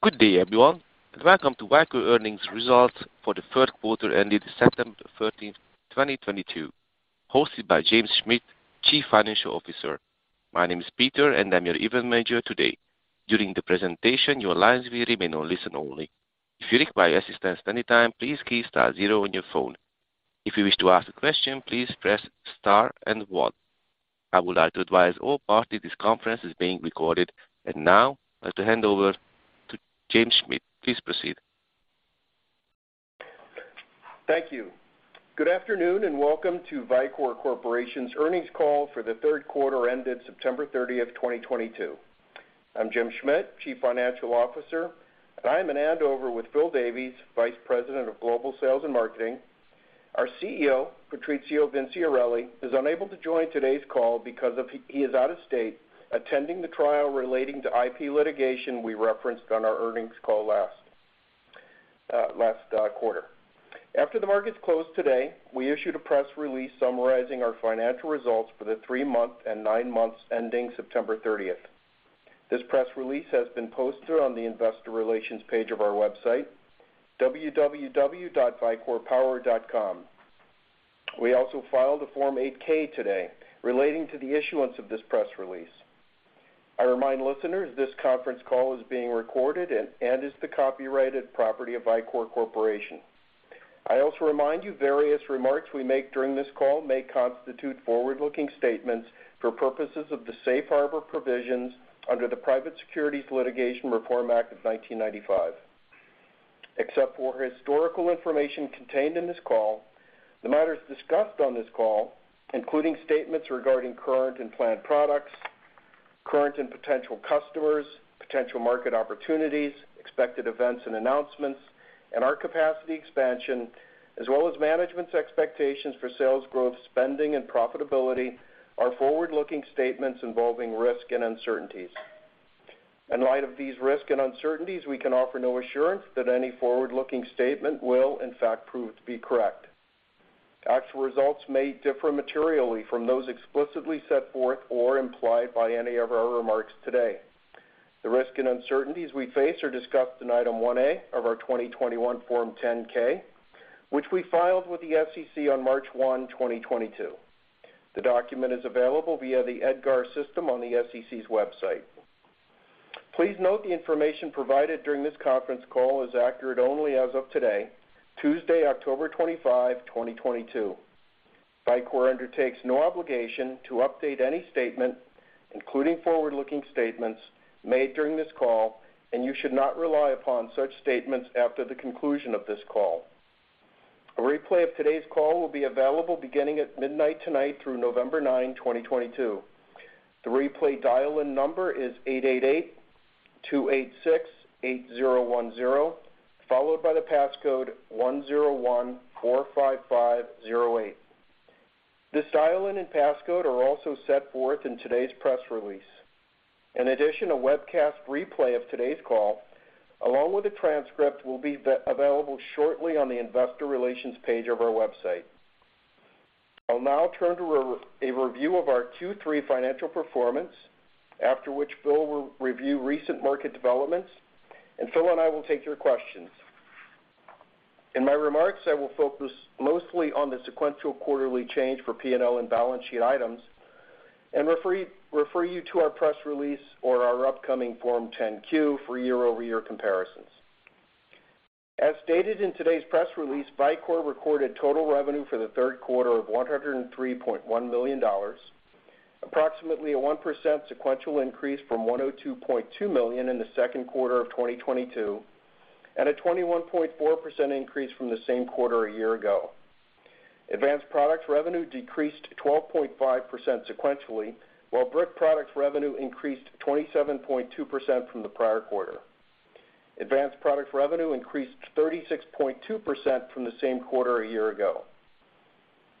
Good day, everyone, and welcome to Vicor Earnings Results for the third quarter ended September 30th, 2022, hosted by James Schmidt, Chief Financial Officer. My name is Peter, and I'm your event manager today. During the presentation, your lines will remain on listen only. If you require assistance anytime, please key star zero on your phone. If you wish to ask a question, please press star and one. I would like to advise all parties this conference is being recorded. Now I'd like to hand over to James Schmidt. Please proceed. Thank you. Good afternoon, and welcome to Vicor Corporation's earnings call for the third quarter ended September 30th, 2022. I'm James Schmidt, Chief Financial Officer, and I am in Andover with Philip Davies, Vice President of Global Sales and Marketing. Our CEO, Patrizio Vinciarelli, is unable to join today's call because he is out of state attending the trial relating to IP litigation we referenced on our earnings call last quarter. After the markets closed today, we issued a press release summarizing our financial results for the three month and nine months ending September 30th. This press release has been posted on the investor relations page of our website, www.vicorpower.com. We also filed a Form 8-K today relating to the issuance of this press release. I remind listeners this conference call is being recorded and is the copyrighted property of Vicor Corporation. I also remind you various remarks we make during this call may constitute forward-looking statements for purposes of the safe harbor provisions under the Private Securities Litigation Reform Act of 1995. Except for historical information contained in this call, the matters discussed on this call, including statements regarding current and planned products, current and potential customers, potential market opportunities, expected events and announcements, and our capacity expansion, as well as management's expectations for sales growth, spending, and profitability are forward-looking statements involving risk and uncertainties. In light of these risks and uncertainties, we can offer no assurance that any forward-looking statement will in fact prove to be correct. Actual results may differ materially from those explicitly set forth or implied by any of our remarks today. The risks and uncertainties we face are discussed in Item 1A of our 2021 Form 10-K, which we filed with the SEC on March 1st, 2022. The document is available via the EDGAR system on the SEC's website. Please note the information provided during this conference call is accurate only as of today, Tuesday, October 25th, 2022. Vicor undertakes no obligation to update any statement, including forward-looking statements made during this call, and you should not rely upon such statements after the conclusion of this call. A replay of today's call will be available beginning at midnight tonight through November 9th, 2022. The replay dial-in number is 888-286-8010, followed by the passcode 10145508. This dial-in and passcode are also set forth in today's press release. In addition, a webcast replay of today's call, along with a transcript, will be available shortly on the investor relations page of our website. I'll now turn to a review of our Q3 financial performance, after which Phil will review recent market developments, and Phil and I will take your questions. In my remarks, I will focus mostly on the sequential quarterly change for P&L and balance sheet items and refer you to our press release or our upcoming Form 10-Q for year-over-year comparisons. As stated in today's press release, Vicor recorded total revenue for the third quarter of $103.1 million, approximately a 1% sequential increase from $102.2 million in the second quarter of 2022, and a 21.4% increase from the same quarter a year ago. Advanced products revenue decreased 12.5% sequentially, while brick products revenue increased 27.2% from the prior quarter. Advanced products revenue increased 36.2% from the same quarter a year ago.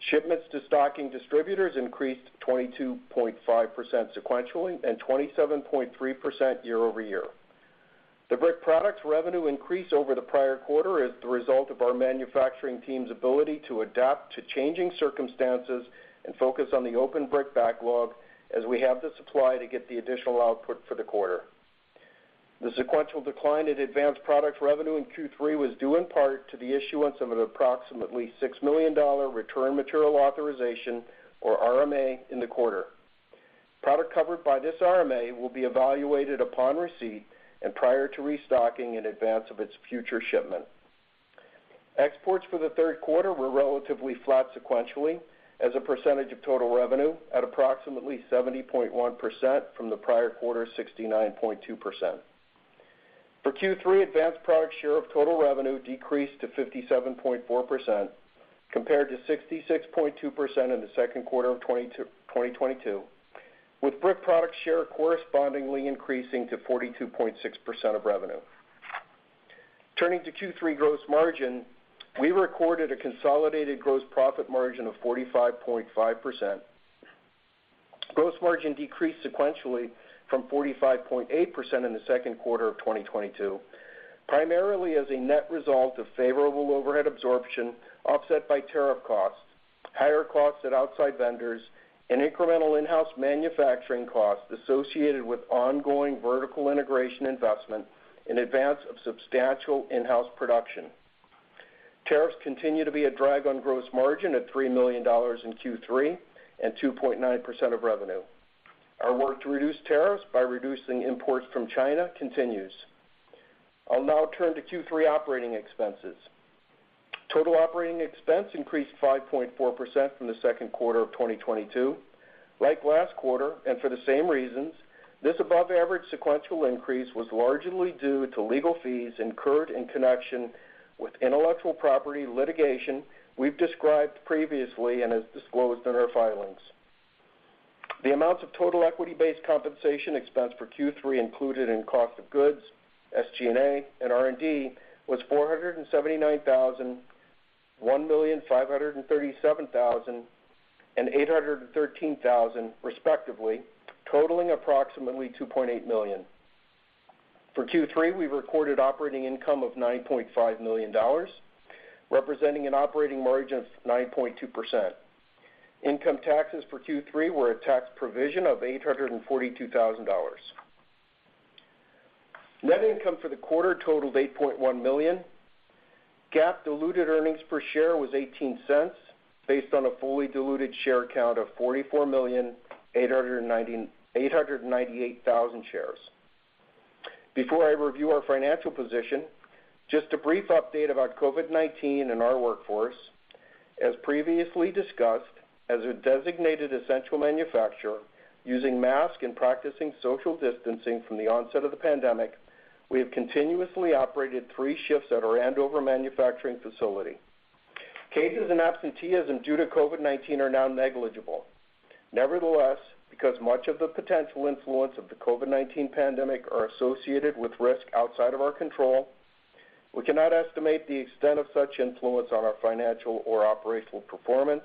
Shipments to stocking distributors increased 22.5% sequentially and 27.3% year-over-year. The brick products revenue increase over the prior quarter is the result of our manufacturing team's ability to adapt to changing circumstances and focus on the open brick backlog as we have the supply to get the additional output for the quarter. The sequential decline in advanced products revenue in Q3 was due in part to the issuance of an approximately $6 million return merchandise authorization, or RMA, in the quarter. Product covered by this RMA will be evaluated upon receipt and prior to restocking in advance of its future shipment. Exports for the third quarter were relatively flat sequentially as a percentage of total revenue at approximately 70.1% from the prior quarter, 69.2%. For Q3, advanced product share of total revenue decreased to 57.4% compared to 66.2% in the second quarter of 2022, with brick product share correspondingly increasing to 42.6% of revenue. Turning to Q3 gross margin, we recorded a consolidated gross profit margin of 45.5%. Gross margin decreased sequentially from 45.8% in the second quarter of 2022 primarily as a net result of favorable overhead absorption offset by tariff costs, higher costs at outside vendors, and incremental in-house manufacturing costs associated with ongoing vertical integration investment in advance of substantial in-house production. Tariffs continue to be a drag on gross margin at $3 million in Q3 and 2.9% of revenue. Our work to reduce tariffs by reducing imports from China continues. I'll now turn to Q3 operating expenses. Total operating expense increased 5.4% from the second quarter of 2022. Like last quarter, and for the same reasons, this above-average sequential increase was largely due to legal fees incurred in connection with intellectual property litigation we've described previously and as disclosed in our filings. The amounts of total equity-based compensation expense for Q3 included in cost of goods, SG&A, and R&D was $479,000, $1,537,000, and $813,000, respectively, totaling approximately $2.8 million. For Q3, we recorded operating income of $9.5 million, representing an operating margin of 9.2%. Income taxes for Q3 were a tax provision of $842,000. Net income for the quarter totaled $8.1 million. GAAP diluted earnings per share was $0.18, based on a fully diluted share count of 44,898,000 shares. Before I review our financial position, just a brief update about COVID-19 in our workforce. As previously discussed, as a designated essential manufacturer, using masks and practicing social distancing from the onset of the pandemic, we have continuously operated three shifts at our Andover manufacturing facility. Cases and absenteeism due to COVID-19 are now negligible. Nevertheless, because much of the potential influence of the COVID-19 pandemic are associated with risk outside of our control, we cannot estimate the extent of such influence on our financial or operational performance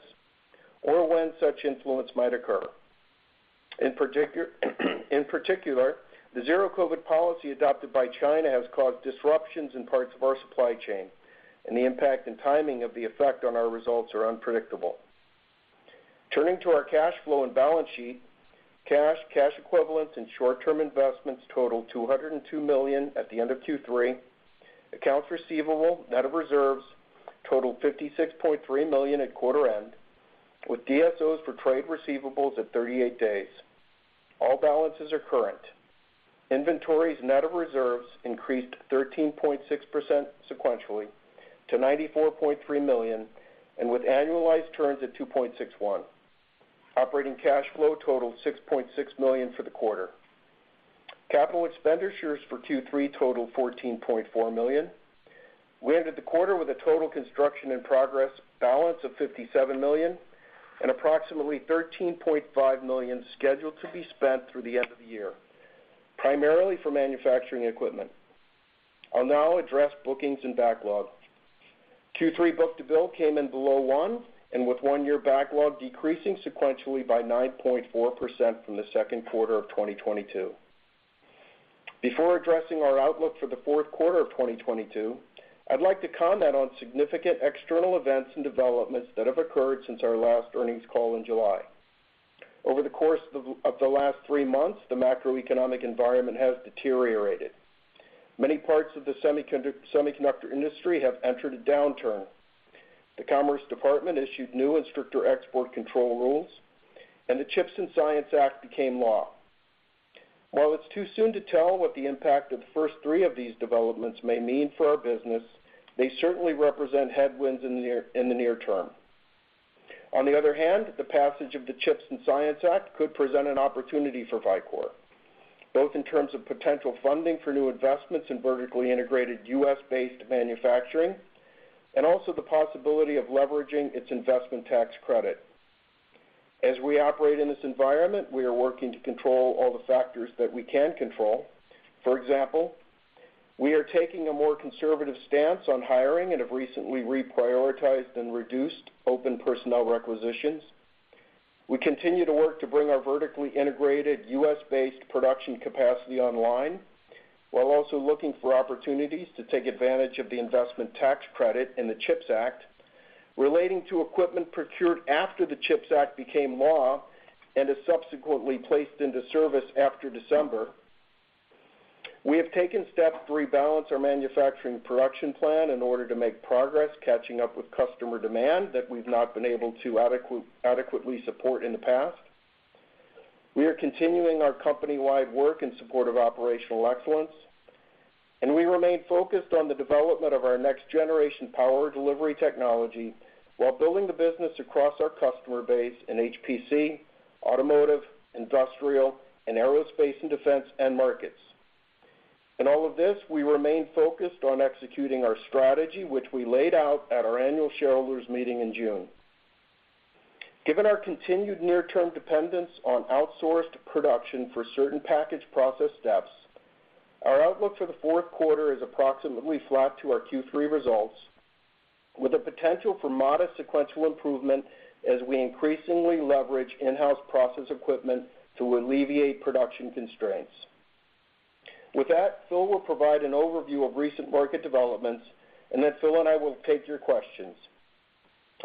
or when such influence might occur. In particular, the zero-COVID policy adopted by China has caused disruptions in parts of our supply chain, and the impact and timing of the effect on our results are unpredictable. Turning to our cash flow and balance sheet, cash equivalents, and short-term investments totaled $202 million at the end of Q3. Accounts receivable, net of reserves, totaled $56.3 million at quarter end, with DSOs for trade receivables at 38 days. All balances are current. Inventories, net of reserves, increased 13.6% sequentially to $94.3 million and with annualized turns at 2.61. Operating cash flow totaled $6.6 million for the quarter. Capital expenditures for Q3 totaled $14.4 million. We ended the quarter with a total construction in progress balance of $57 million and approximately $13.5 million scheduled to be spent through the end of the year, primarily for manufacturing equipment. I'll now address bookings and backlog. Q3 book-to-bill came in below one and with one-year backlog decreasing sequentially by 9.4% from the second quarter of 2022. Before addressing our outlook for the fourth quarter of 2022, I'd like to comment on significant external events and developments that have occurred since our last earnings call in July. Over the course of the last three months, the macroeconomic environment has deteriorated. Many parts of the semiconductor industry have entered a downturn. The Commerce Department issued new and stricter export control rules, and the CHIPS and Science Act became law. While it's too soon to tell what the impact of the first three of these developments may mean for our business, they certainly represent headwinds in the near term. On the other hand, the passage of the CHIPS and Science Act could present an opportunity for Vicor, both in terms of potential funding for new investments in vertically integrated U.S.-based manufacturing and also the possibility of leveraging its investment tax credit. As we operate in this environment, we are working to control all the factors that we can control. For example, we are taking a more conservative stance on hiring and have recently reprioritized and reduced open personnel requisitions. We continue to work to bring our vertically integrated U.S.-based production capacity online while also looking for opportunities to take advantage of the investment tax credit in the CHIPS Act relating to equipment procured after the CHIPS Act became law and is subsequently placed into service after December. We have taken steps to rebalance our manufacturing production plan in order to make progress catching up with customer demand that we've not been able to adequately support in the past. We are continuing our company-wide work in support of operational excellence, and we remain focused on the development of our next-generation power delivery technology while building the business across our customer base in HPC, automotive, industrial, and aerospace and defense end markets. In all of this, we remain focused on executing our strategy, which we laid out at our annual shareholders meeting in June. Given our continued near-term dependence on outsourced production for certain package process steps, our outlook for the fourth quarter is approximately flat to our Q3 results. With the potential for modest sequential improvement as we increasingly leverage in-house process equipment to alleviate production constraints. With that, Phil will provide an overview of recent market developments, and then Phil and I will take your questions.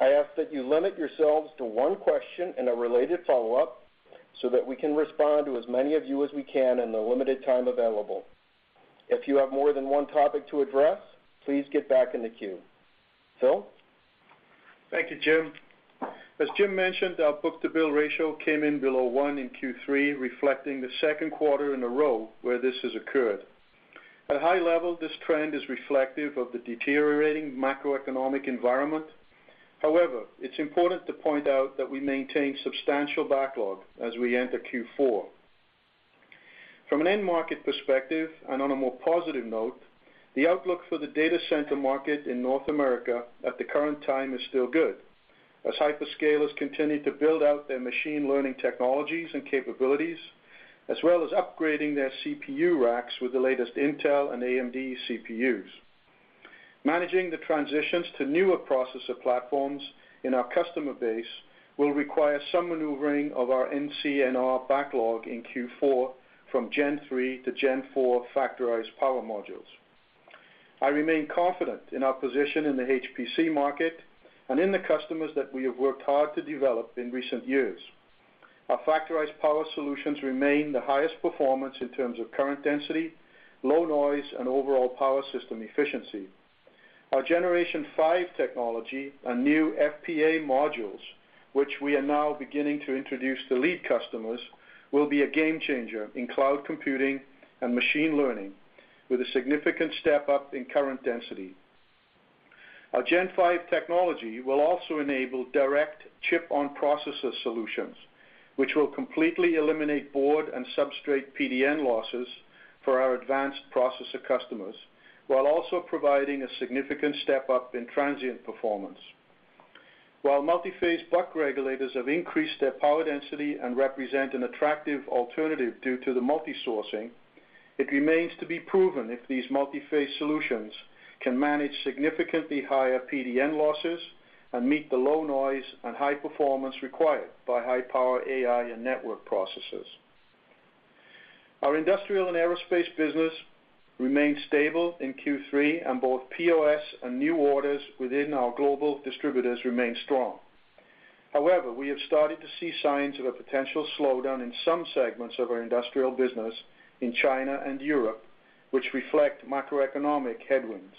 I ask that you limit yourselves to one question and a related follow-up so that we can respond to as many of you as we can in the limited time available. If you have more than one topic to address, please get back in the queue. Phil? Thank you, Jim. As Jim mentioned, our book-to-bill ratio came in below one in Q3, reflecting the second quarter in a row where this has occurred. At a high level, this trend is reflective of the deteriorating macroeconomic environment. However, it's important to point out that we maintain substantial backlog as we enter Q4. From an end market perspective, and on a more positive note, the outlook for the data center market in North America at the current time is still good, as hyperscalers continue to build out their machine learning technologies and capabilities, as well as upgrading their CPU racks with the latest Intel and AMD CPUs. Managing the transitions to newer processor platforms in our customer base will require some maneuvering of our NCNR backlog in Q4 from Gen 3 to Gen 4 Factorized Power modules. I remain confident in our position in the HPC market and in the customers that we have worked hard to develop in recent years. Our Factorized Power solutions remain the highest performance in terms of current density, low noise, and overall power system efficiency. Our Generation 5 technology and new FPA modules, which we are now beginning to introduce to lead customers, will be a game changer in cloud computing and machine learning, with a significant step up in current density. Our Gen 5 technology will also enable direct chip-on-processor solutions, which will completely eliminate board and substrate PDN losses for our advanced processor customers, while also providing a significant step up in transient performance. While multiphase buck regulators have increased their power density and represent an attractive alternative due to the multi-sourcing, it remains to be proven if these multiphase solutions can manage significantly higher PDN losses and meet the low noise and high performance required by high-power AI and network processors. Our industrial and aerospace business remained stable in Q3, and both POS and new orders within our global distributors remain strong. However, we have started to see signs of a potential slowdown in some segments of our industrial business in China and Europe, which reflect macroeconomic headwinds.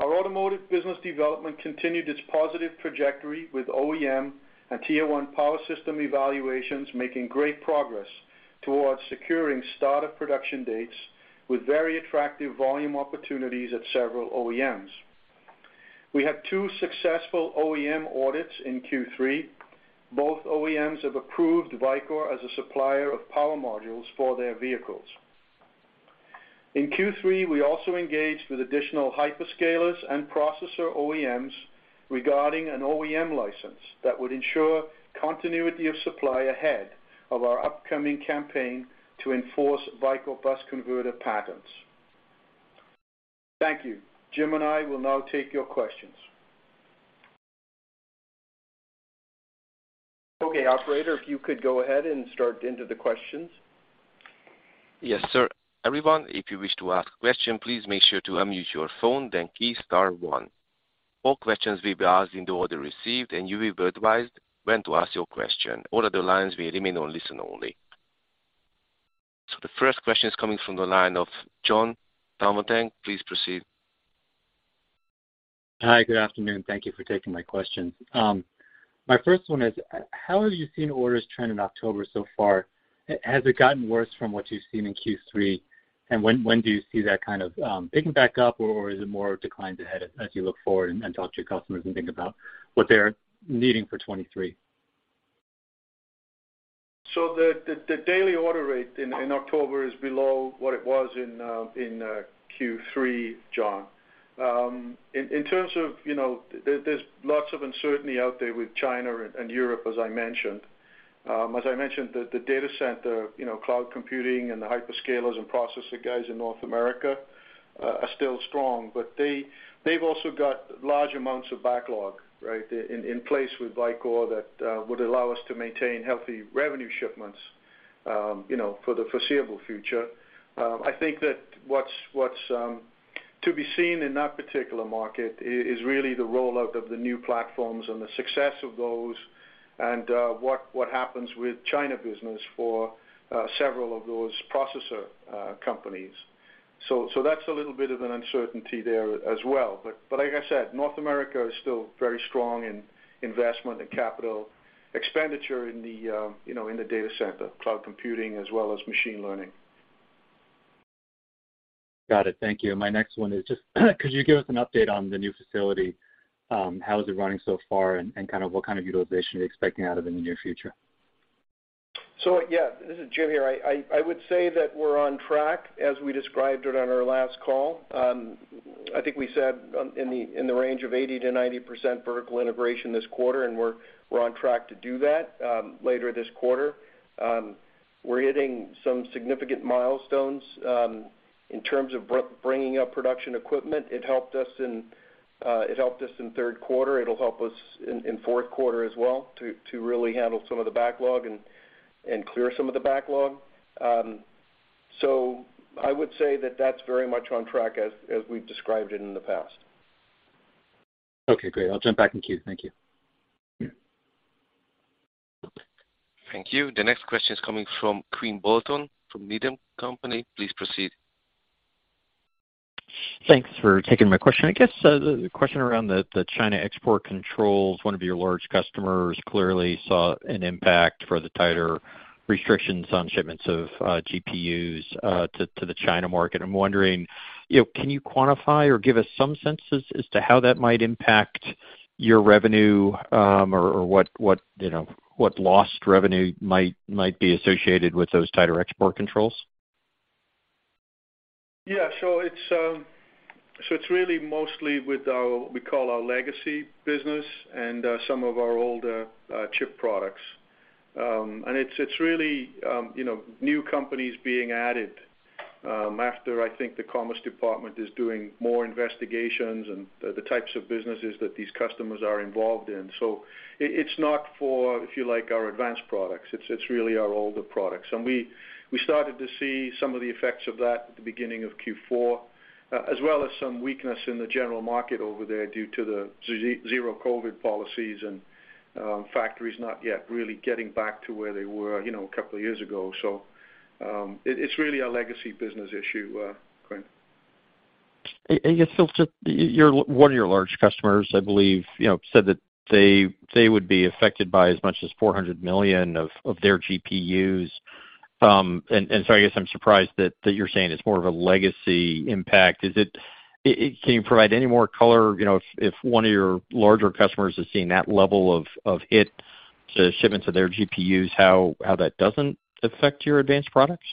Our automotive business development continued its positive trajectory with OEM and tier-one power system evaluations making great progress towards securing start-of-production dates with very attractive volume opportunities at several OEMs. We had two successful OEM audits in Q3. Both OEMs have approved Vicor as a supplier of power modules for their vehicles. In Q3, we also engaged with additional hyperscalers and processor OEMs regarding an OEM license that would ensure continuity of supply ahead of our upcoming campaign to enforce Vicor bus converter patents. Thank you. Jim and I will now take your questions. Okay, operator, if you could go ahead and start into the questions. Yes, sir. Everyone, if you wish to ask a question, please make sure to unmute your phone, then key star one. All questions will be asked in the order received, and you will be advised when to ask your question. All other lines will remain on listen only. The first question is coming from the line of Jonathan Tanwanteng. Please proceed. Hi. Good afternoon. Thank you for taking my questions. My first one is, how have you seen orders trend in October so far? Has it gotten worse from what you've seen in Q3? When do you see that kind of picking back up? Is it more decline ahead as you look forward and talk to your customers and think about what they're needing for 2023? The daily order rate in October is below what it was in Q3, John. In terms of, you know, there's lots of uncertainty out there with China and Europe, as I mentioned. As I mentioned, the data center, you know, cloud computing and the hyperscalers and processor guys in North America are still strong, but they've also got large amounts of backlog, right, in place with Vicor that would allow us to maintain healthy revenue shipments, you know, for the foreseeable future. I think that what's to be seen in that particular market is really the rollout of the new platforms and the success of those and what happens with China business for several of those processor companies. That's a little bit of an uncertainty there as well. Like I said, North America is still very strong in investment and capital expenditure in the data center, cloud computing, as well as machine learning. Got it. Thank you. My next one is just, could you give us an update on the new facility? How is it running so far and kind of what kind of utilization are you expecting out of it in the near future? Yeah, this is Jim here. I would say that we're on track as we described it on our last call. I think we said in the range of 80%-90% vertical integration this quarter, and we're on track to do that later this quarter. We're hitting some significant milestones. In terms of bringing up production equipment, it helped us in third quarter. It'll help us in fourth quarter as well to really handle some of the backlog and clear some of the backlog. I would say that that's very much on track as we've described it in the past. Okay, great. I'll jump back in queue. Thank you. Yeah. Thank you. The next question is coming from Quinn Bolton from Needham & Company. Please proceed. Thanks for taking my question. I guess the question around the China export controls, one of your large customers clearly saw an impact from the tighter restrictions on shipments of GPUs to the China market. I'm wondering, you know, can you quantify or give us some sense as to how that might impact your revenue, or what you know what lost revenue might be associated with those tighter export controls? Yeah. It's really mostly with our, we call our legacy business and some of our older chip products. It's really you know new companies being added after I think the Department of Commerce is doing more investigations and the types of businesses that these customers are involved in. It's not for, if you like, our advanced products. It's really our older products. We started to see some of the effects of that at the beginning of Q4, as well as some weakness in the general market over there due to the zero-COVID policies and factories not yet really getting back to where they were you know a couple of years ago. It's really a legacy business issue, Quinn. I guess, Phil, just one of your large customers, I believe, you know, said that they would be affected by as much as 400 million of their GPUs. I guess I'm surprised that you're saying it's more of a legacy impact. Can you provide any more color, you know, if one of your larger customers is seeing that level of hit to shipments of their GPUs, how that doesn't affect your advanced products?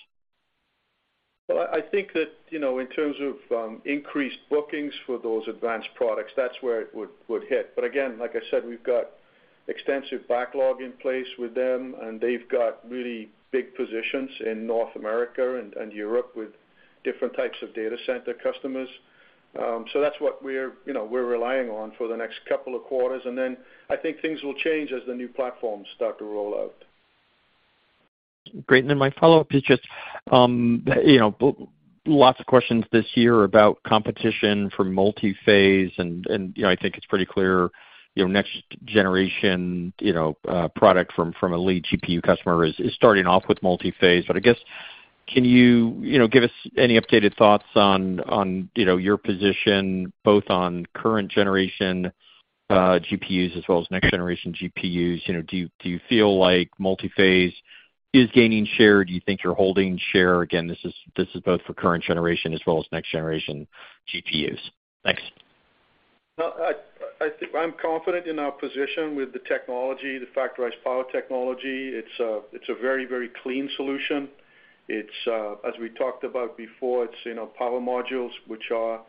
Well, I think that, you know, in terms of increased bookings for those advanced products, that's where it would hit. But again, like I said, we've got extensive backlog in place with them, and they've got really big positions in North America and Europe with different types of data center customers. So that's what we're, you know, we're relying on for the next couple of quarters. Then I think things will change as the new platforms start to roll out. Great. Then my follow-up is just, you know, lots of questions this year about competition for multi-phase and, you know, I think it's pretty clear, you know, next generation, you know, product from a lead GPU customer is starting off with multi-phase. But I guess, can you know, give us any updated thoughts on your position both on current generation GPUs as well as next generation GPUs? You know, do you feel like multi-phase is gaining share? Do you think you're holding share? Again, this is both for current generation as well as next generation GPUs. Thanks. No, I think I'm confident in our position with the technology, the Factorized Power technology. It's a very clean solution. It's as we talked about before, it's, you know, power modules which are,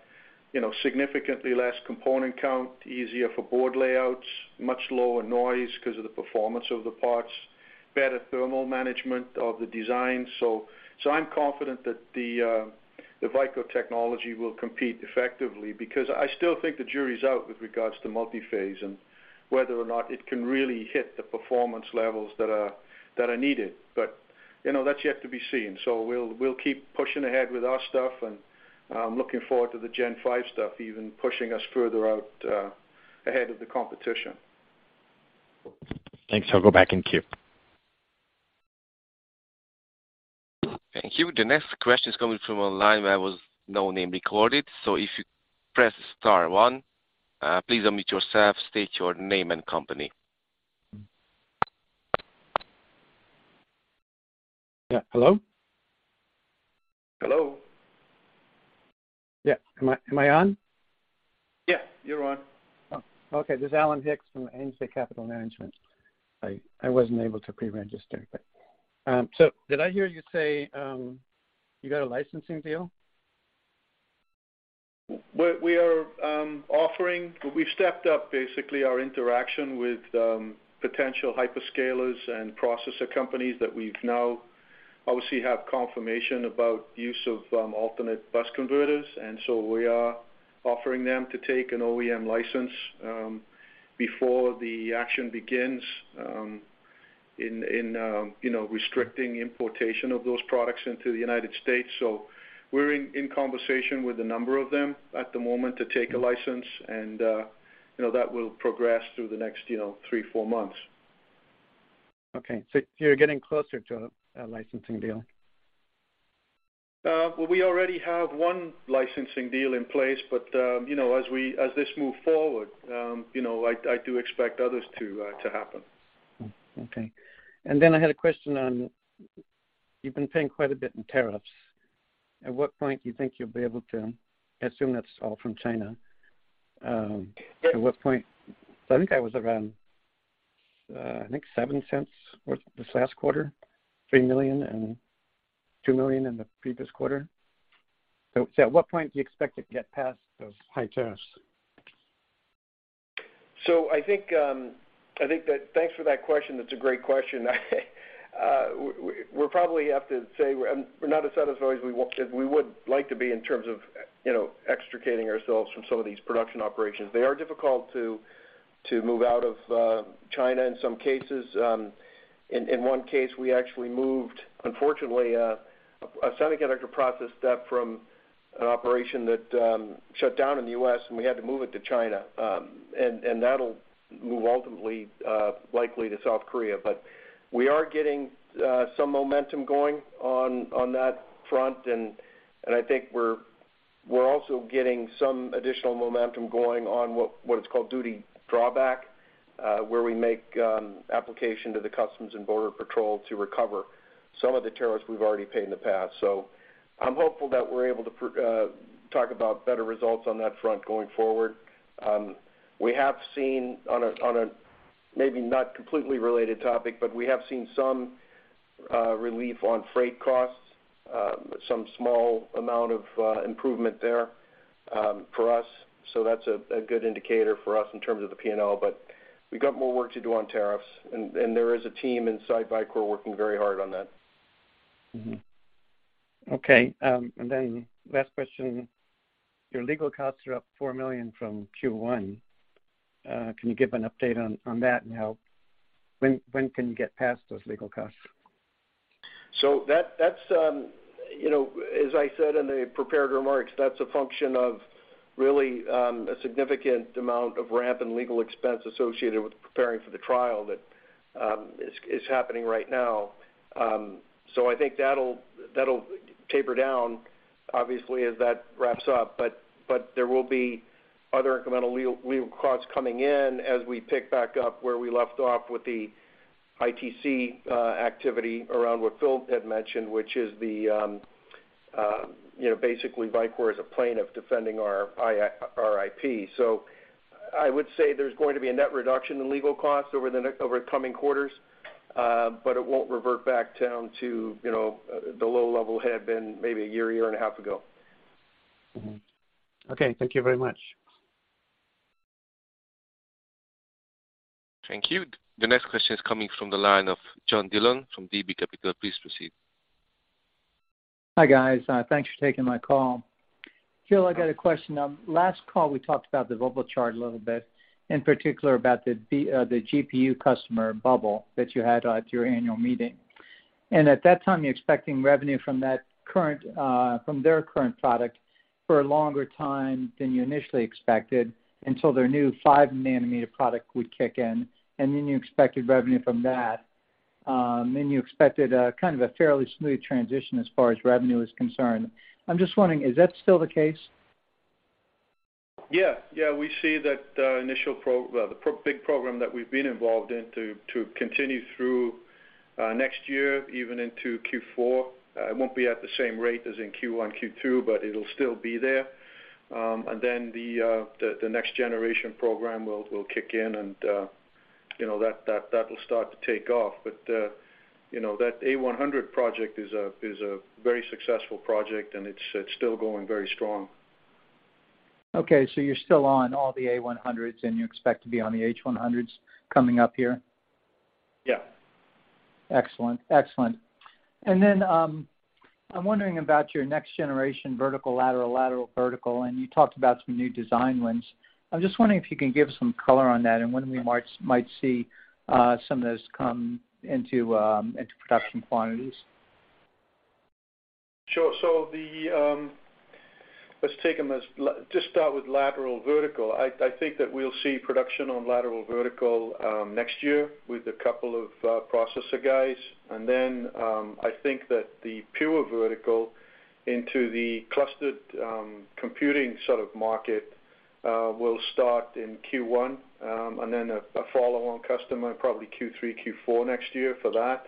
you know, significantly less component count, easier for board layouts, much lower noise 'cause of the performance of the parts, better thermal management of the design. I'm confident that the Vicor technology will compete effectively because I still think the jury's out with regards to multiphase and whether or not it can really hit the performance levels that are needed. You know, that's yet to be seen. We'll keep pushing ahead with our stuff, and I'm looking forward to the Gen 5 stuff even pushing us further out ahead of the competition. Thanks. I'll go back in queue. Thank you. The next question is coming from online where there was no name recorded. If you press star one, please unmute yourself, state your name and company. Yeah. Hello? Hello. Yeah. Am I on? Yeah, you're on. Oh, okay. This is Alan Hicks from AMC Capital Management. I wasn't able to pre-register, but so did I hear you say you got a licensing deal? We are offering. We've stepped up basically our interaction with potential hyperscalers and processor companies that we've now obviously have confirmation about use of alternate bus converters. We are offering them to take an OEM license before the action begins in you know restricting importation of those products into the United States. We're in conversation with a number of them at the moment to take a license and you know that will progress through the next you know 3-4 months. Okay. You're getting closer to a licensing deal? Well, we already have one licensing deal in place, but you know, as this moves forward, you know, I do expect others to happen. Okay. I had a question on you've been paying quite a bit in tariffs. At what point do you think you'll be able to? I assume that's all from China. At what point do you expect to get past those high tariffs? I think it was around $0.07 worth last quarter, $3 million and $2 million in the previous quarter. I think that. Thanks for that question. That's a great question. We'll probably have to say we're not as satisfied as we would like to be in terms of extricating ourselves from some of these production operations. They are difficult to move out of China in some cases. In one case, we actually moved, unfortunately, a semiconductor process step from an operation that shut down in the U.S., and we had to move it to China. And that'll move ultimately likely to South Korea. We are getting some momentum going on that front. I think we're also getting some additional momentum going on what it's called duty drawback, where we make application to the U.S. Customs and Border Protection to recover some of the tariffs we've already paid in the past. I'm hopeful that we're able to talk about better results on that front going forward. We have seen on a maybe not completely related topic, but we have seen some relief on freight costs, some small amount of improvement there, for us. That's a good indicator for us in terms of the P&L, but we've got more work to do on tariffs. There is a team inside Vicor working very hard on that. Last question. Your legal costs are up $4 million from Q1. Can you give an update on that and when can you get past those legal costs? That's, you know, as I said in the prepared remarks, that's a function of really a significant amount of R&D and legal expense associated with preparing for the trial that is happening right now. I think that'll taper down obviously as that wraps up. There will be other incremental legal costs coming in as we pick back up where we left off with the ITC activity around what Phil had mentioned, which is, you know, basically Vicor is a plaintiff defending our IP. I would say there's going to be a net reduction in legal costs over coming quarters, but it won't revert back down to, you know, the low level it had been maybe a year and a half ago. Mm-hmm. Okay. Thank you very much. Thank you. The next question is coming from the line of John Dillon from DB Capital. Please proceed. Hi, guys. Thanks for taking my call. Phil, I got a question. Last call, we talked about the bubble chart a little bit, in particular about the GPU customer bubble that you had at your annual meeting. At that time, you're expecting revenue from that current, from their current product for a longer time than you initially expected until their new five-nanometer product would kick in, and then you expected revenue from that. Then you expected a kind of a fairly smooth transition as far as revenue is concerned. I'm just wondering, is that still the case? Yeah. Yeah, we see that big program that we've been involved in to continue through next year, even into Q4. It won't be at the same rate as in Q1, Q2, but it'll still be there. The next generation program will kick in and you know, that will start to take off. You know, that A100 project is a very successful project, and it's still going very strong. Okay, you're still on all the A-100s, and you expect to be on the H-100s coming up here? Yeah. Excellent. I'm wondering about your next generation lateral-vertical, and you talked about some new design wins. I'm just wondering if you can give some color on that and when we might see some of those come into production quantities. Sure. Let's just start with lateral vertical. I think that we'll see production on lateral vertical next year with a couple of processor guys. Then I think that the pure vertical into the clustered computing sort of market will start in Q1 and then a follow-on customer probably Q3, Q4 next year for that.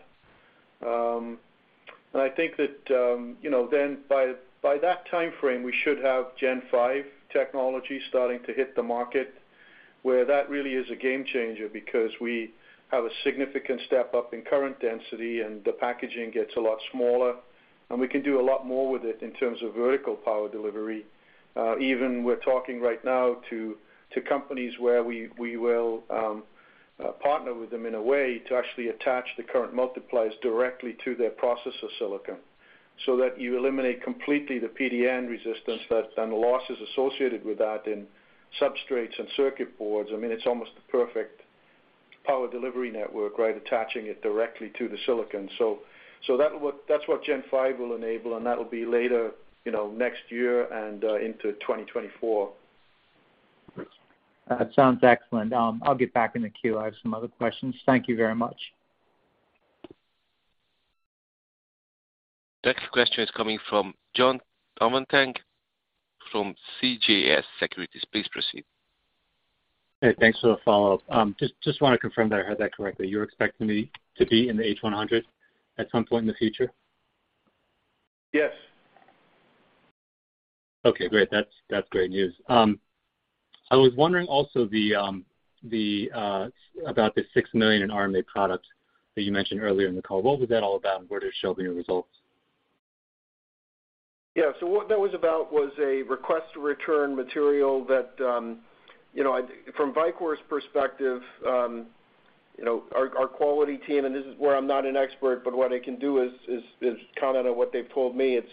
I think that you know then by that timeframe we should have Gen 5 technology starting to hit the market, where that really is a game changer because we have a significant step up in current density, and the packaging gets a lot smaller, and we can do a lot more with it in terms of vertical power delivery. Even as we're talking right now to companies where we will partner with them in a way to actually attach the current multipliers directly to their processor silicon so that you eliminate completely the PDN resistance that and the losses associated with that in substrates and circuit boards. I mean, it's almost the perfect power delivery network, right? Attaching it directly to the silicon. That's what Gen Five will enable, and that'll be later, you know, next year and into 2024. That sounds excellent. I'll get back in the queue. I have some other questions. Thank you very much. Next question is coming from Jonathan Tanwanteng from CJS Securities. Please proceed. Hey, thanks for the follow-up. Just wanna confirm that I heard that correctly. You're expecting me to be in the H-100 at some point in the future? Yes. Okay, great. That's great news. I was wondering also about the $6 million in RMA product that you mentioned earlier in the call. What was that all about, and where does it show up in your results? Yeah. What that was about was a request to return material that, you know, from Vicor's perspective, you know, our quality team, and this is where I'm not an expert, but what I can do is comment on what they've told me. It's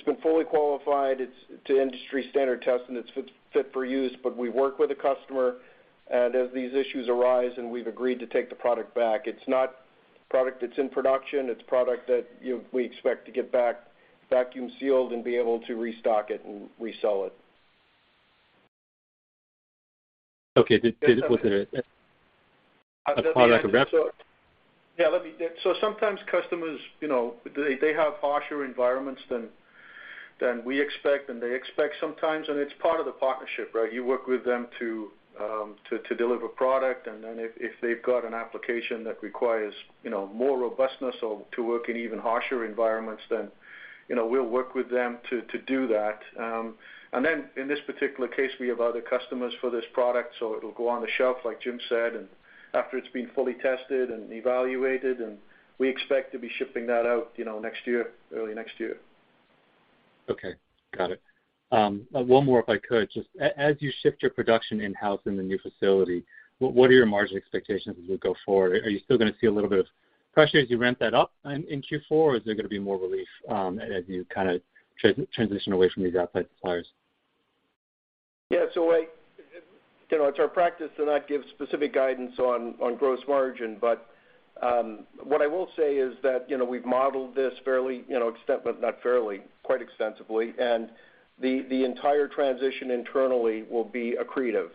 been fully qualified. It's to industry standard test, and it's fit for use. But we work with the customer, and as these issues arise, and we've agreed to take the product back. It's not product that's in production. It's product that we expect to get back vacuum sealed and be able to restock it and resell it. Okay. Did Sometimes customers, you know, they have harsher environments than we expect, and they expect sometimes, and it's part of the partnership, right? You work with them to deliver product. If they've got an application that requires, you know, more robustness or to work in even harsher environments, then, you know, we'll work with them to do that. In this particular case, we have other customers for this product, so it'll go on the shelf, like Jim said. After it's been fully tested and evaluated, and we expect to be shipping that out, you know, next year, early next year. Okay. Got it. One more if I could. Just as you shift your production in-house in the new facility, what are your margin expectations as we go forward? Are you still gonna see a little bit of pressure as you ramp that up in Q4, or is there gonna be more relief as you kind of transition away from these outside suppliers? Yeah. You know, it's our practice to not give specific guidance on gross margin. What I will say is that, you know, we've modeled this quite extensively. The entire transition internally will be accretive.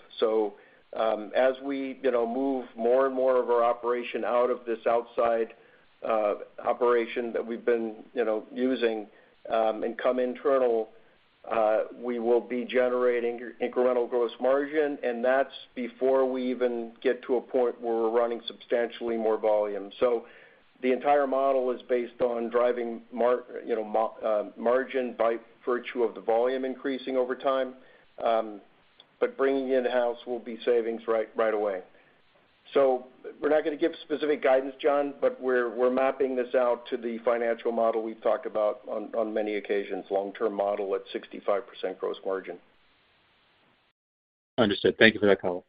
As we, you know, move more and more of our operation out of this outside operation that we've been, you know, using, and come internal, we will be generating incremental gross margin, and that's before we even get to a point where we're running substantially more volume. The entire model is based on driving margin, you know, by virtue of the volume increasing over time. Bringing in-house will be savings right away. We're not gonna give specific guidance, John, but we're mapping this out to the financial model we've talked about on many occasions, long-term model at 65% gross margin. Understood. Thank you for that comment.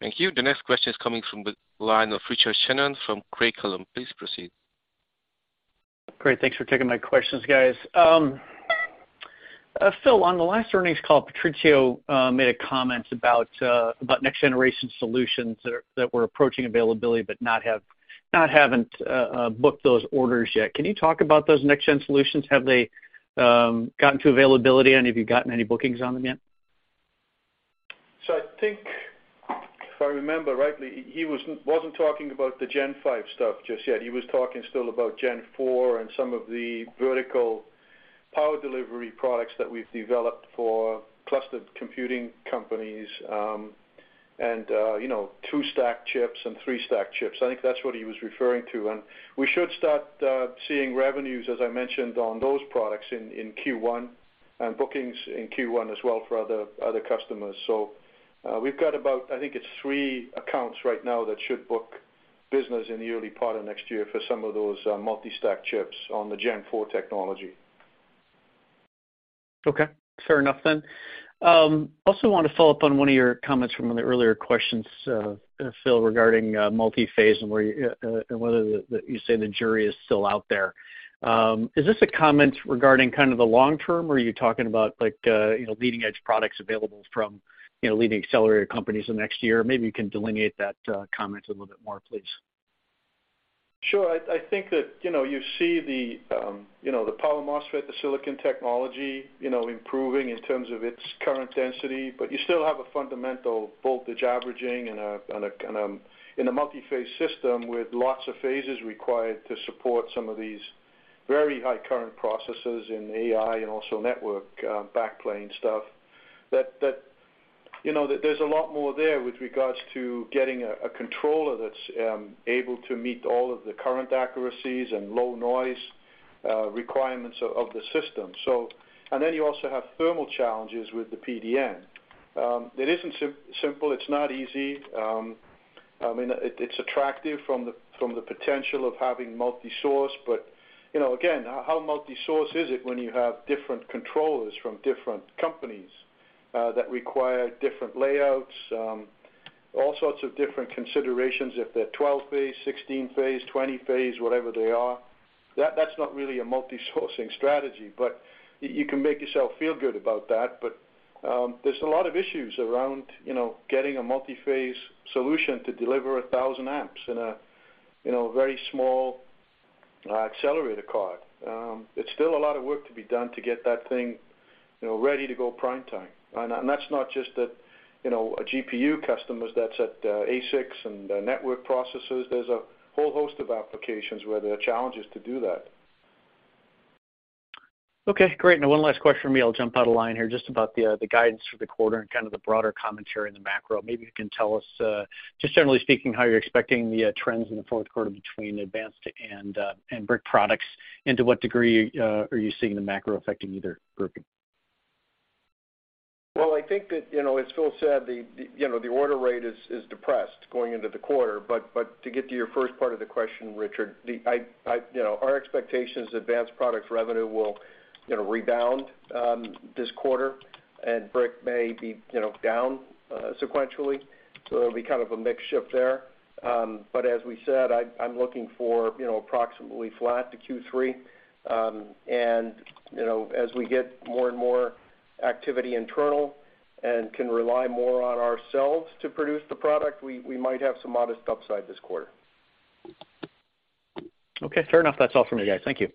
Thank you. The next question is coming from the line of Richard Shannon from Craig-Hallum. Please proceed. Great. Thanks for taking my questions, guys. Phil, on the last earnings call, Patrizio made a comment about next-generation solutions that were approaching availability but haven't booked those orders yet. Can you talk about those next gen solutions? Have they gotten to availability, and have you gotten any bookings on them yet? I think if I remember rightly, he wasn't talking about the Gen 5 stuff just yet. He was talking still about Gen 4 and some of the vertical power delivery products that we've developed for clustered computing companies, and, you know, 2-stack chips and 3-stack chips. I think that's what he was referring to. We should start seeing revenues, as I mentioned, on those products in Q1 and bookings in Q1 as well for other customers. We've got about, I think it's 3 accounts right now that should book business in the early part of next year for some of those multi-stack chips on the Gen 4 technology. Okay. Fair enough then. Also want to follow up on one of your comments from one of the earlier questions, Phil, regarding multiphase and whether you say the jury is still out there. Is this a comment regarding kind of the long term, or are you talking about like, you know, leading-edge products available from, you know, leading accelerator companies the next year? Maybe you can delineate that comment a little bit more, please. Sure. I think that, you know, you see the, you know, the power MOSFET, the silicon technology, you know, improving in terms of its current density, but you still have a fundamental voltage averaging and a in a multiphase system with lots of phases required to support some of these very high current processes in AI and also network backplane stuff, that, you know, that there's a lot more there with regards to getting a controller that's able to meet all of the current accuracies and low noise requirements of the system. And then you also have thermal challenges with the PDN. It isn't simple. It's not easy. I mean, it's attractive from the potential of having multi-sourcing, but you know, again, how multi-sourcing is it when you have different controllers from different companies that require different layouts, all sorts of different considerations if they're 12-phase, 16-phase, 20-phase, whatever they are. That's not really a multi-sourcing strategy, but you can make yourself feel good about that. There's a lot of issues around you know, getting a multi-phase solution to deliver 1,000 amps in a you know, very small accelerator card. It's still a lot of work to be done to get that thing you know, ready to go prime time. That's not just at you know, a GPU customers that's at ASICs and network processors. There's a whole host of applications where there are challenges to do that. Okay, great. One last question for me, I'll jump out of line here just about the guidance for the quarter and kind of the broader commentary in the macro. Maybe you can tell us just generally speaking, how you're expecting the trends in the fourth quarter between advanced and brick products, and to what degree are you seeing the macro affecting either grouping? Well, I think that, you know, as Phil said, the order rate is depressed going into the quarter. To get to your first part of the question, Richard, our expectation is advanced products revenue will, you know, rebound this quarter and brick may be, you know, down sequentially. It'll be kind of a mixed shift there. As we said, I'm looking for, you know, approximately flat to Q3. You know, as we get more and more activity internal and can rely more on ourselves to produce the product, we might have some modest upside this quarter. Okay, fair enough. That's all for me, guys. Thank you.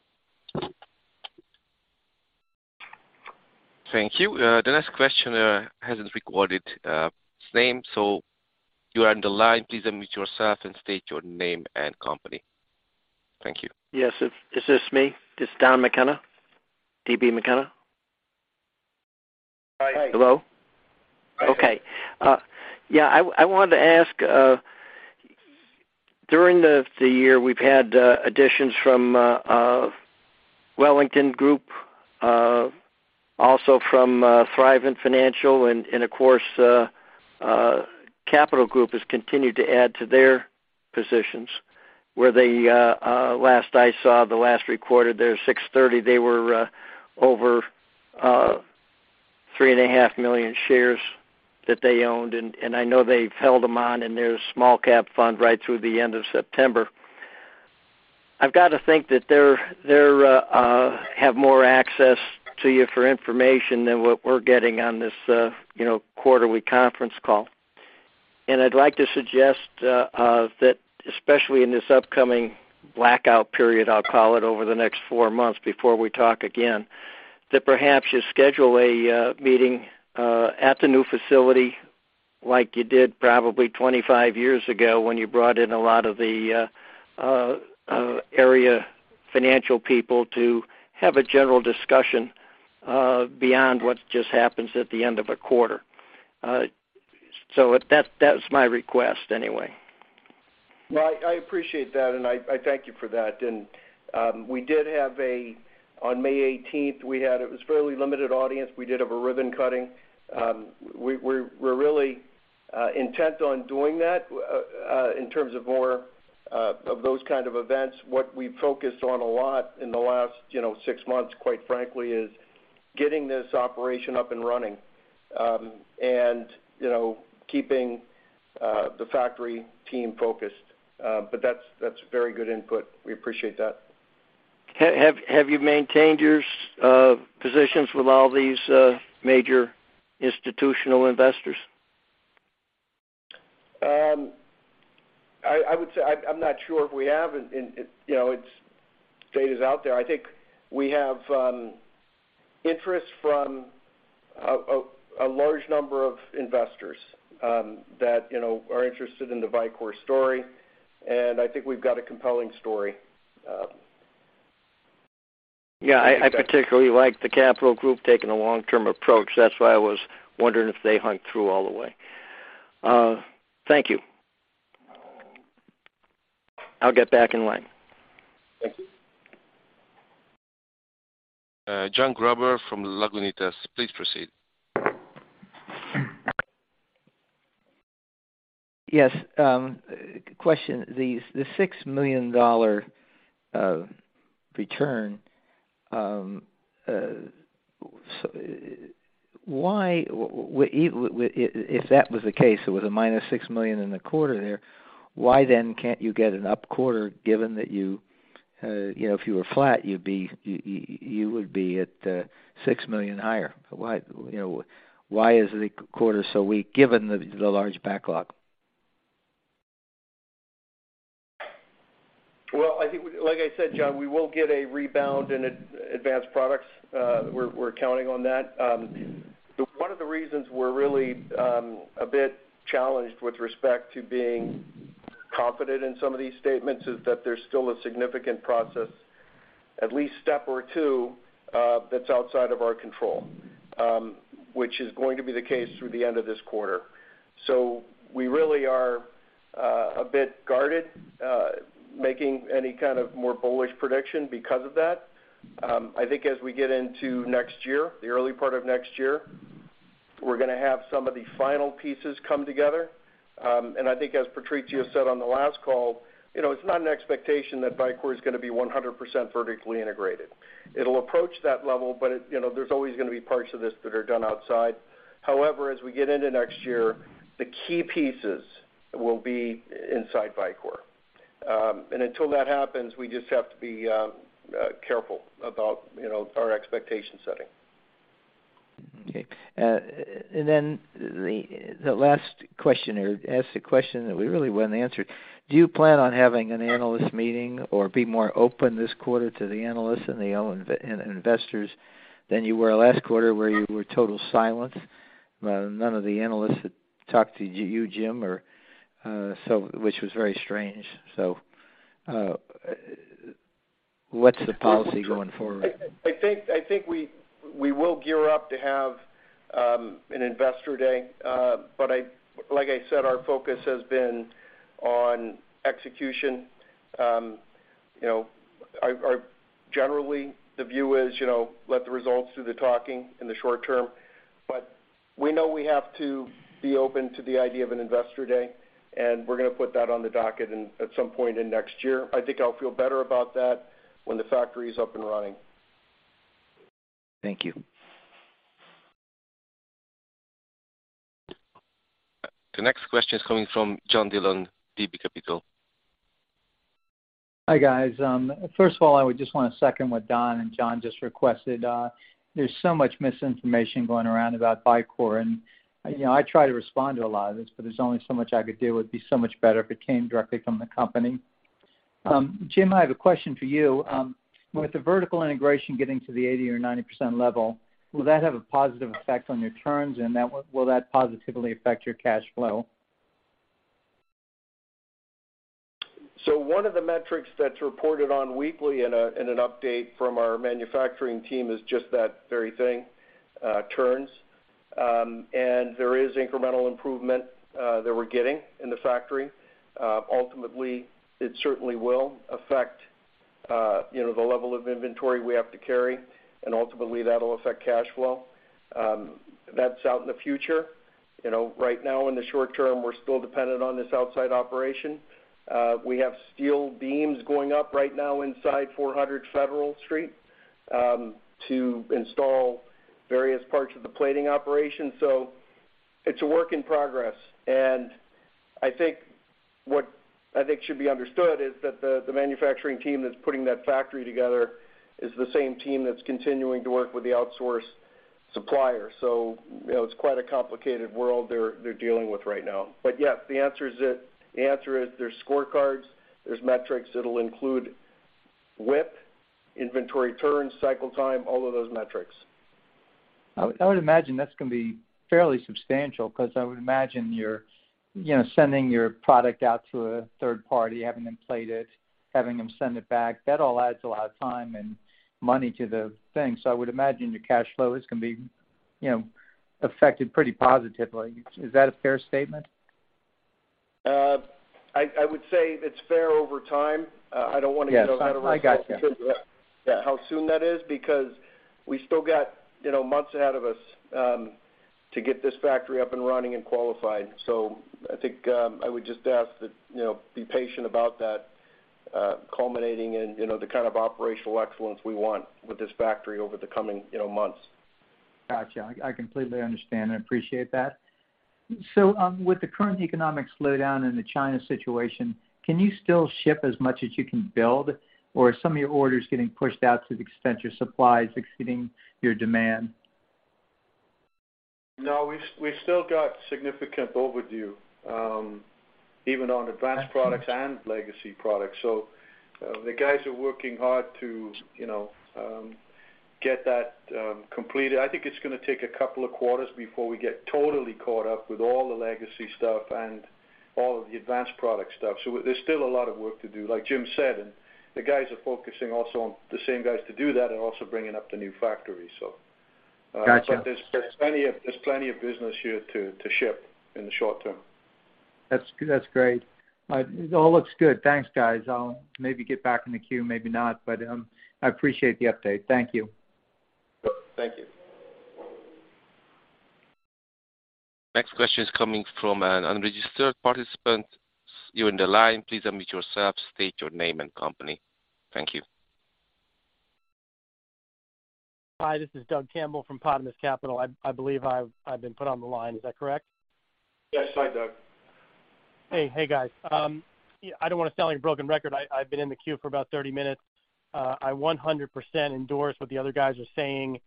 Thank you. The next questioner hasn't recorded his name. You are on the line. Please unmute yourself and state your name and company. Thank you. Yes. Is this me? This is Don McKenna, D.B. McKenna. Hi. Hello? Hi. Okay. Yeah, I wanted to ask during the year, we've had additions from Wellington Management, also from Thrivent and of course Capital Group has continued to add to their positions where they last I saw, the last recorded there, 6:30, they were over 3.5 million shares that they owned. I know they've held on to them in their small-cap fund right through the end of September. I've got to think that they have more access to you for information than what we're getting on this, you know, quarterly conference call. I'd like to suggest that especially in this upcoming blackout period, I'll call it, over the next four months before we talk again, that perhaps you schedule a meeting at the new facility like you did probably 25 years ago when you brought in a lot of the area financial people to have a general discussion beyond what just happens at the end of a quarter. So that's my request anyway. Well, I appreciate that, and I thank you for that. On May 18th, we had it was fairly limited audience. We did have a ribbon cutting. We're really intent on doing that, in terms of more of those kind of events. What we focused on a lot in the last, you know, six months, quite frankly, is getting this operation up and running, and you know keeping the factory team focused. That's very good input. We appreciate that. Have you maintained your positions with all these major institutional investors? I would say I'm not sure if we have. You know, the data's out there. I think we have interest from a large number of investors that you know are interested in the Vicor story, and I think we've got a compelling story. Yeah, I particularly like the Capital Group taking a long-term approach. That's why I was wondering if they hung through all the way. Thank you. I'll get back in line. Thank you. Jon Gruber from Lagunitas. Please proceed. Yes, question. The $6 million return, so why? If that was the case, it was a -$6 million in the quarter there, why then can't you get an up quarter given that you know, if you were flat, you would be at $6 million higher. Why? You know, why is the quarter so weak given the large backlog? Well, I think, like I said, John, we will get a rebound in advanced products. We're counting on that. One of the reasons we're really a bit challenged with respect to being confident in some of these statements is that there's still a significant process, at least step or two, that's outside of our control, which is going to be the case through the end of this quarter. We really are a bit guarded making any kind of more bullish prediction because of that. I think as we get into next year, the early part of next year, we're gonna have some of the final pieces come together. I think as Patrizio said on the last call, you know, it's not an expectation that Vicor is gonna be 100% vertically integrated. It'll approach that level, but it, you know, there's always gonna be parts of this that are done outside. However, as we get into next year, the key pieces will be inside Vicor. Until that happens, we just have to be careful about, you know, our expectation setting. The last questioner asked a question that we really wouldn't answer. Do you plan on having an analyst meeting or be more open this quarter to the analysts and the investors than you were last quarter where you were totally silent? None of the analysts had talked to you, Jim, which was very strange. What's the policy going forward? I think we will gear up to have an investor day. Like I said, our focus has been on execution, you know- Generally the view is, you know, let the results do the talking in the short term. We know we have to be open to the idea of an investor day, and we're gonna put that on the docket in, at some point in next year. I think I'll feel better about that when the factory is up and running. Thank you. The next question is coming from John Dillon, D&B Capital. Hi, guys. First of all, I would just wanna second what Don and John just requested. There's so much misinformation going around about Vicor. You know, I try to respond to a lot of this, but there's only so much I could do. It'd be so much better if it came directly from the company. Jim, I have a question for you. With the vertical integration getting to the 80% or 90% level, will that have a positive effect on your turns, and that will positively affect your cash flow? One of the metrics that's reported on weekly in an update from our manufacturing team is just that very thing, turns. There is incremental improvement that we're getting in the factory. Ultimately, it certainly will affect, you know, the level of inventory we have to carry, and ultimately, that'll affect cash flow. That's out in the future. You know, right now, in the short term, we're still dependent on this outside operation. We have steel beams going up right now inside 400 Federal Street to install various parts of the plating operation. It's a work in progress. I think what should be understood is that the manufacturing team that's putting that factory together is the same team that's continuing to work with the outsourced supplier. You know, it's quite a complicated world they're dealing with right now. Yes, the answer is there's scorecards, there's metrics that'll include WIP, inventory turns, cycle time, all of those metrics. I would imagine that's gonna be fairly substantial because I would imagine you're, you know, sending your product out to a third party, having them plate it, having them send it back. That all adds a lot of time and money to the thing. I would imagine your cash flow is gonna be, you know, affected pretty positively. Is that a fair statement? I would say it's fair over time. I don't wanna get on that result. Yes. I got ya. of how soon that is because we still got, you know, months ahead of us, to get this factory up and running and qualified. I think, I would just ask that, you know, be patient about that, culminating in, you know, the kind of operational excellence we want with this factory over the coming, you know, months. Gotcha. I completely understand and appreciate that. With the current economic slowdown in the China situation, can you still ship as much as you can build, or are some of your orders getting pushed out to the extent your supply is exceeding your demand? No. We've still got significant overdue even on advanced products and legacy products. The guys are working hard to you know get that completed. I think it's gonna take a couple of quarters before we get totally caught up with all the legacy stuff and all of the advanced product stuff. There's still a lot of work to do, like Jim said. The guys are focusing also on the same guys to do that and also bringing up the new factory. Gotcha. There's plenty of business here to ship in the short term. That's great. It all looks good. Thanks, guys. I'll maybe get back in the queue, maybe not. I appreciate the update. Thank you. Thank you. Next question is coming from an unregistered participant. You're in the line. Please unmute yourself, state your name and company. Thank you. Hi. This is Doug Campbell from Podomus Capital. I believe I've been put on the line. Is that correct? Yes. Hi, Doug. Hey. Hey, guys. I don't wanna sound like a broken record. I've been in the queue for about 30 minutes. I 100% endorse what the other guys are saying.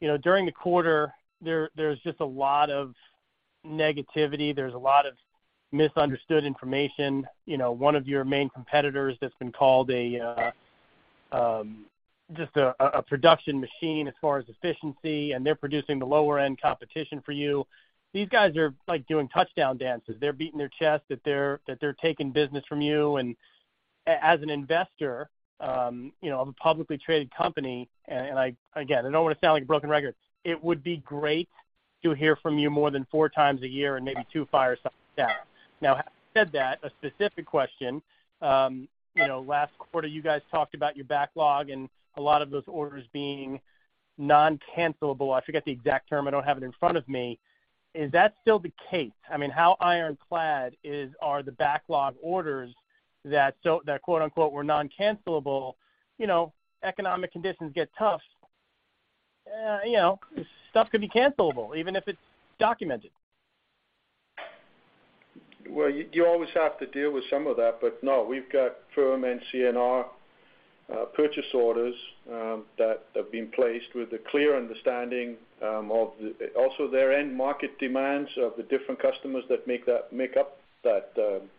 You know, during the quarter, there's just a lot of negativity. There's a lot of misunderstood information. You know, one of your main competitors that's been called a production machine as far as efficiency, and they're producing the lower end competition for you. These guys are, like, doing touchdown dances. They're beating their chest that they're taking business from you. As an investor, you know, of a publicly traded company, again, I don't wanna sound like a broken record. It would be great to hear from you more than four times a year and maybe two fireside chats. Now, having said that, a specific question. You know, last quarter, you guys talked about your backlog and a lot of those orders being non-cancelable. I forget the exact term. I don't have it in front of me. Is that still the case? I mean, how ironclad are the backlog orders that quote-unquote were non-cancelable? You know, economic conditions get tough. You know, stuff could be cancelable even if it's documented. Well, you always have to deal with some of that. No, we've got firm NCNR purchase orders that have been placed with a clear understanding also their end market demands of the different customers that make up that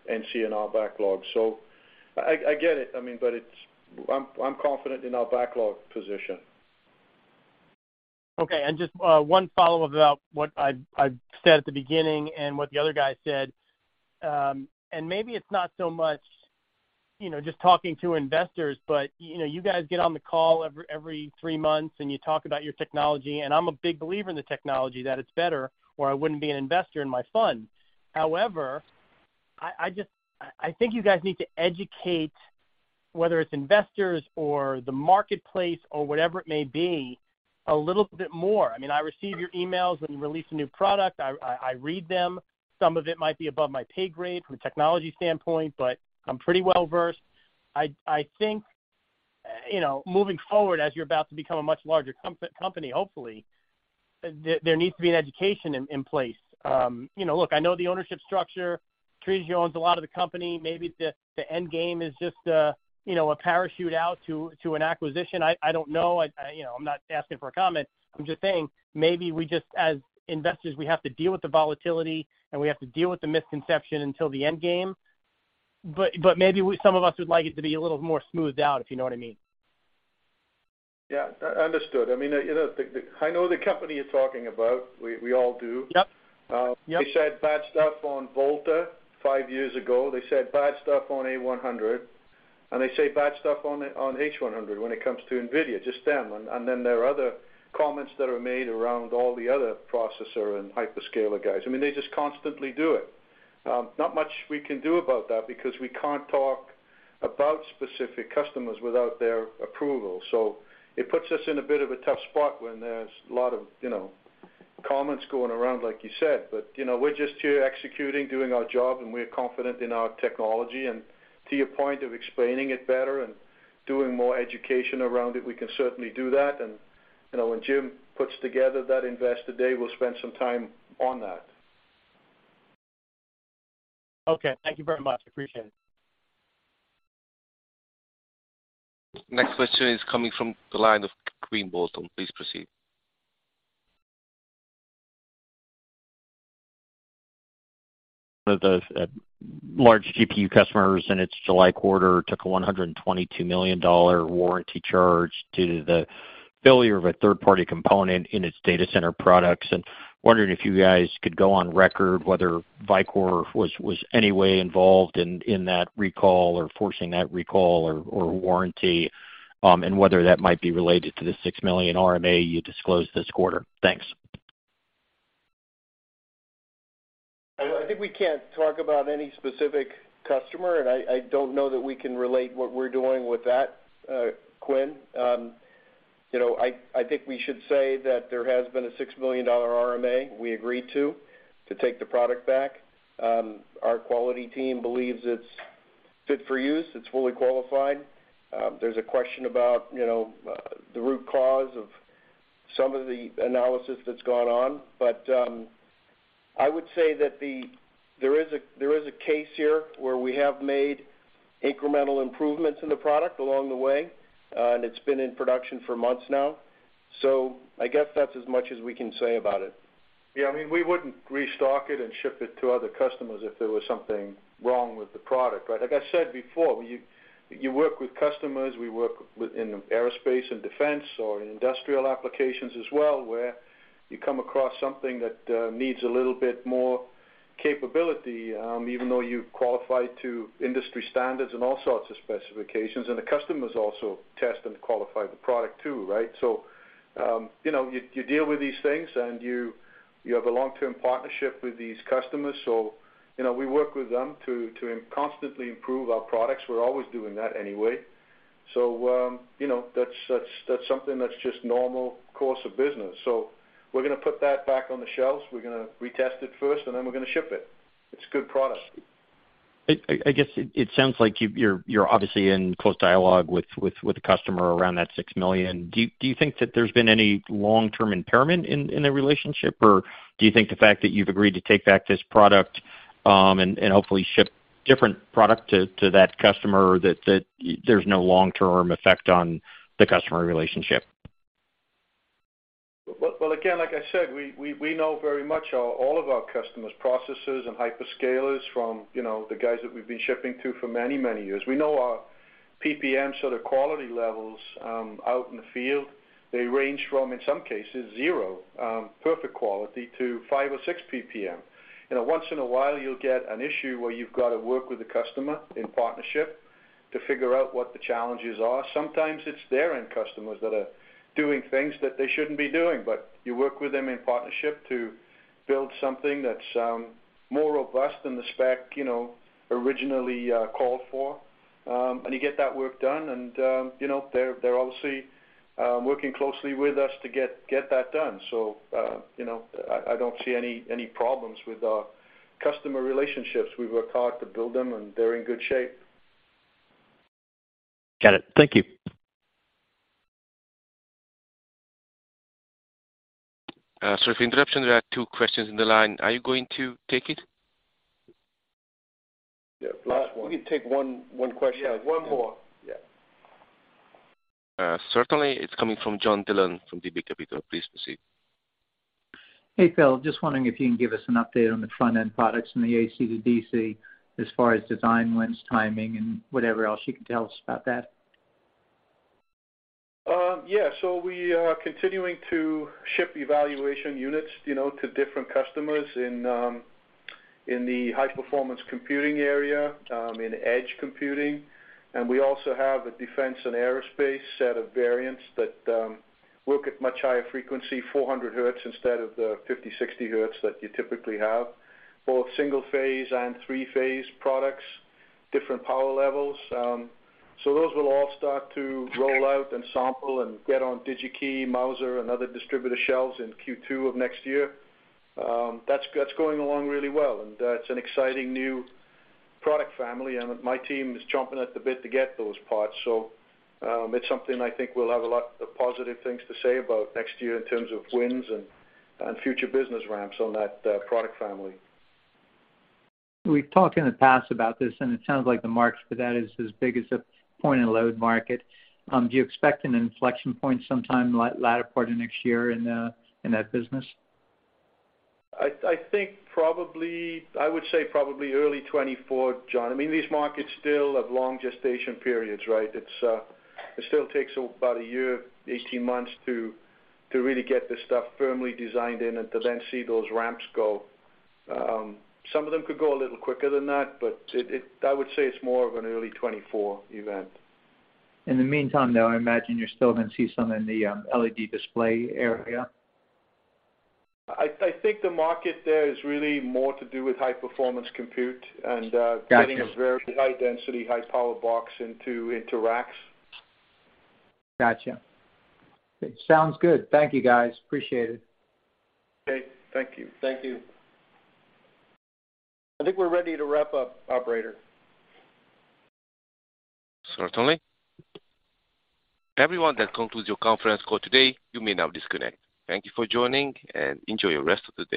NCNR backlog. I get it. I mean, I'm confident in our backlog position. Okay. Just one follow-up about what I said at the beginning and what the other guy said. Maybe it's not so much, you know, just talking to investors, but, you know, you guys get on the call every three months, and you talk about your technology, and I'm a big believer in the technology, that it's better, or I wouldn't be an investor in my fund. However, I think you guys need to educate, whether it's investors or the marketplace or whatever it may be, a little bit more. I mean, I receive your emails when you release a new product. I read them. Some of it might be above my pay grade from a technology standpoint, but I'm pretty well-versed. I think, you know, moving forward, as you're about to become a much larger company, hopefully, there needs to be an education in place. You know, look, I know the ownership structure. Patrizio Vinciarelli owns a lot of the company. Maybe the end game is just, you know, a parachute out to an acquisition. I don't know. You know, I'm not asking for a comment. I'm just saying maybe we just, as investors, we have to deal with the volatility, and we have to deal with the misconception until the end game. But maybe some of us would like it to be a little more smoothed out, if you know what I mean. Yeah. Understood. I mean, you know, I know the company you're talking about. We all do. Yep. Yep. They said bad stuff on Volta five years ago. They said bad stuff on A100, and they say bad stuff on H100 when it comes to NVIDIA, just them. Then there are other comments that are made around all the other processor and hyperscaler guys. I mean, they just constantly do it. Not much we can do about that because we can't talk about specific customers without their approval. It puts us in a bit of a tough spot when there's a lot of, you know, comments going around, like you said. You know, we're just here executing, doing our job, and we're confident in our technology. To your point of explaining it better and doing more education around it, we can certainly do that. You know, when Jim puts together that investor day, we'll spend some time on that. Okay. Thank you very much. Appreciate it. Next question is coming from the line of Quinn Bolton. Please proceed. One of the large GPU customers in its July quarter took a $122 million warranty charge due to the failure of a third-party component in its data center products, and wondering if you guys could go on record whether Vicor was any way involved in that recall or forcing that recall or warranty, and whether that might be related to the $6 million RMA you disclosed this quarter. Thanks. I think we can't talk about any specific customer, and I don't know that we can relate what we're doing with that, Quinn. You know, I think we should say that there has been a $6 million RMA we agreed to take the product back. Our quality team believes it's fit for use. It's fully qualified. There's a question about, you know, the root cause of some of the analysis that's gone on. But I would say that there is a case here where we have made incremental improvements in the product along the way, and it's been in production for months now. I guess that's as much as we can say about it. Yeah, I mean, we wouldn't restock it and ship it to other customers if there was something wrong with the product, right? Like I said before, you work with customers, we work with in aerospace and defense or in industrial applications as well, where you come across something that needs a little bit more capability, even though you've qualified to industry standards and all sorts of specifications, and the customers also test and qualify the product too, right? You know, you deal with these things, and you have a long-term partnership with these customers. You know, we work with them to constantly improve our products. We're always doing that anyway. You know, that's something that's just normal course of business. We're gonna put that back on the shelves. We're gonna retest it first, and then we're gonna ship it. It's a good product. I guess it sounds like you're obviously in close dialogue with the customer around that $6 million. Do you think that there's been any long-term impairment in the relationship, or do you think the fact that you've agreed to take back this product, and hopefully ship different product to that customer that there's no long-term effect on the customer relationship? Well, again, like I said, we know very much all of our customers, processors and hyperscalers from, you know, the guys that we've been shipping to for many, many years. We know our PPM, so the quality levels out in the field. They range from, in some cases, zero, perfect quality, to 5 or 6 PPM. You know, once in a while you'll get an issue where you've got to work with the customer in partnership to figure out what the challenges are. Sometimes it's their end customers that are doing things that they shouldn't be doing, but you work with them in partnership to build something that's more robust than the spec, you know, originally called for. You get that work done, and, you know, they're obviously working closely with us to get that done, you know, I don't see any problems with our customer relationships. We work hard to build them, and they're in good shape. Got it. Thank you. Sorry for the interruption. There are two questions in the line. Are you going to take it? Yeah. Last one. We can take one question. Yeah, one more. Yeah. Certainly. It's coming from John Dillon from D&B Capital. Please proceed. Hey, Phil. Just wondering if you can give us an update on the front end products in the AC to DC as far as design wins, timing, and whatever else you can tell us about that? We are continuing to ship evaluation units, you know, to different customers in the high-performance computing area, in edge computing. We also have a defense and aerospace set of variants that work at much higher frequency, 400 hertz instead of the 50, 60 hertz that you typically have, both single-phase and three-phase products, different power levels. Those will all start to roll out and sample and get on Digi-Key, Mouser, and other distributor shelves in Q2 of next year. That's going along really well, and it's an exciting new product family, and my team is chomping at the bit to get those parts. It's something I think we'll have a lot of positive things to say about next year in terms of wins and future business ramps on that product family. We've talked in the past about this, and it sounds like the market for that is as big as the point of load market. Do you expect an inflection point sometime latter part of next year in that business? I think probably I would say probably early 2024, John. I mean, these markets still have long gestation periods, right? It still takes about a year, 18 months to really get this stuff firmly designed in and to then see those ramps go. Some of them could go a little quicker than that, but I would say it's more of an early 2024 event. In the meantime, though, I imagine you're still gonna see some in the LED display area. I think the market there is really more to do with high-performance compute and. Got you. Getting a very high density, high power box into racks. Gotcha. Sounds good. Thank you, guys. Appreciate it. Okay. Thank you. Thank you. I think we're ready to wrap up, operator. Certainly. Everyone, that concludes your conference call today. You may now disconnect. Thank you for joining, and enjoy your rest of the day.